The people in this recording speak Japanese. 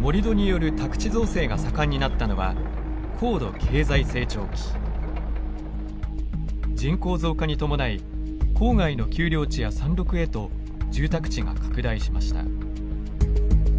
盛土による宅地造成が盛んになったのは人口増加に伴い郊外の丘陵地や山麓へと住宅地が拡大しました。